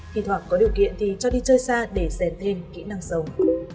khi thoảng có điều kiện thì cho đi chơi xa để dền thêm kỹ năng sống